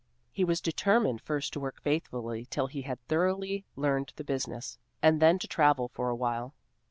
He was determined first to work faithfully till he had thoroughly learned the business, and then to travel for a while.